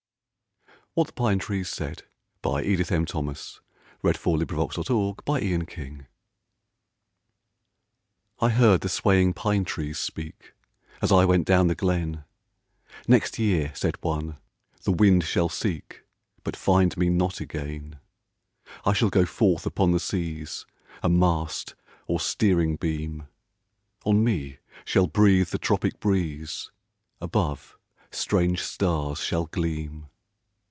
WHAT THE PINE TREES SAID I heard the swaying pine trees speak, As I went down the glen: "Next year," said one, "the wind shall seek, But find me not again!" "I shall go forth upon the seas, A mast, or steering beam; On me shall breathe the tropic breeze, Above, strange stars shall gleam.'